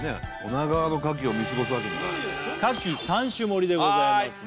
女川の牡蠣を見過ごすわけにはいかない牡蠣３種盛りでございますね